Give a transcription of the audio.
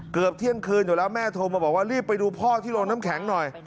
เกือบเที่ยงคืนอยู่แล้วแม่โทรมาบอกว่ารีบไปดูพ่อที่โรงน้ำแข็งหน่อย